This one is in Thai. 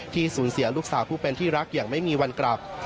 สูญเสียลูกสาวผู้เป็นที่รักอย่างไม่มีวันกลับ